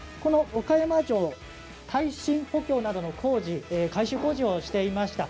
岡山城耐震補強などの工事、改修工事をしていました。